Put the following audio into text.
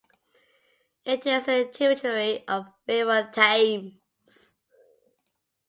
It is a tributary of the River Thames.